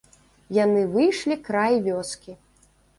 Яны выйшлі край вёскі.